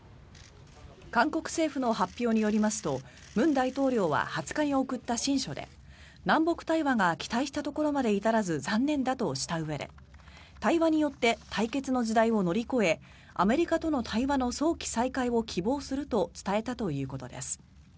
韓国政府の発表によりますと文大統領は２０日に送った親書で南北対話が期待したところまで至らず残念だとしたうえで対話によって対決の時代を乗り越えアメリカとの対話の早期再開を希望すると伝えたということです。